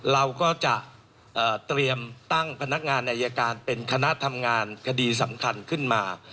เราก็จะเตรียมตั้งพนักงานอายการเป็นคณะทำงานคดีสำคัญขึ้นมา